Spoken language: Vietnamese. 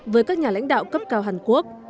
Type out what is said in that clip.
với các nhà lãnh đạo cấp cao hàn quốc